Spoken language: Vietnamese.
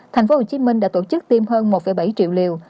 thành phố hồ chí minh đã tổ chức tiêm hơn một bảy triệu liều